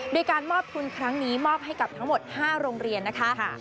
โดยการมอบทุนครั้งนี้มอบให้กับทั้งหมด๕โรงเรียนนะคะ